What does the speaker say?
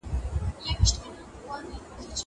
کېدای سي درسونه اوږده وي.